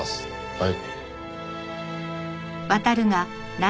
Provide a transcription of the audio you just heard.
はい。